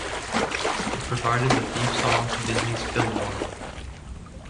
They provided the theme song to Disney's Fillmore!